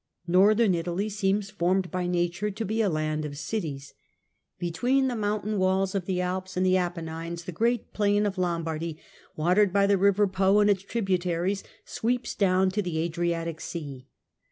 Northern Italy seems formed by nature to be a land of cities. Between the mountain walls of the Alps and the Apennines the great plain of Lombardy, watered by the river Po and its tributaries, sweeps down to the Adriatic Sea.